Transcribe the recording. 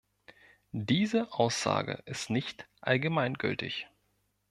Diese Aussage ist nicht allgemeingültig.